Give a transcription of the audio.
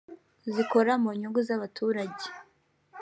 zikora mu nyungu z’abaturage